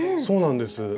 そうなんです。